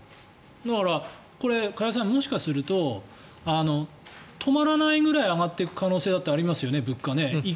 だから、これ、加谷さんもしかすると止まらないぐらい物価が上がっていく可能性だってありますよね。